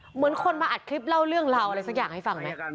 เหมือนคนมาอัดคลิปเล่าเรื่องราวอะไรสักอย่างให้ฟังไหม